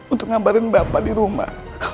untuk ngabarin bapak di rumah